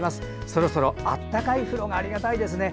そろそろ温かい風呂がありがたいですね。